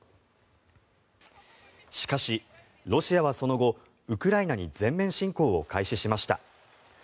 しかし、ロシアはその後ウクライナに全面侵攻を開始しました。